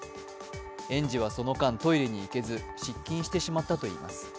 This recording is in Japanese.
園児はその間トイレに行けず失禁してしまったといいます。